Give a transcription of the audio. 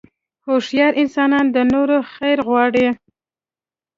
هوښیار انسان د نورو خیر غواړي.